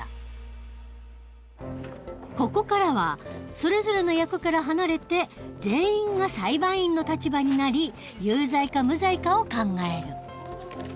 ここからはそれぞれの役から離れて全員が裁判員の立場になり有罪か無罪かを考える。